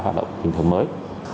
hoạt động tình thường mới